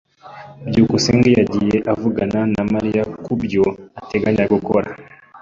byukusenge yagiye avugana na Mariya kubyo ateganya gukora.